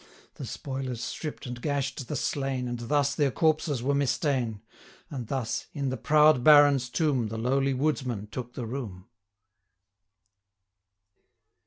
The spoilers stripp'd and gash'd the slain, 1115 And thus their corpses were mista'en; And thus, in the proud Baron's tomb, The lowly woodsman took the room.